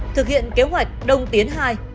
thực hiện kế hoạch đông tiến hai